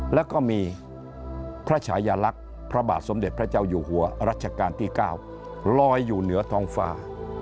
แล้วก็มีพระชายลักษณ์พระบาทสมเด็จพระเจ้าอยู่หัวรัชกาลที่๙ลอยอยู่เหนือท้องฟ้า